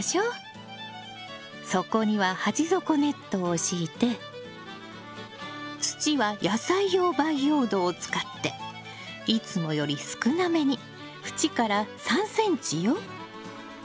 底には鉢底ネットを敷いて土は野菜用培養土を使っていつもより少なめに縁から３ｃｍよ。